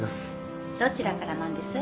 どちらからなんです？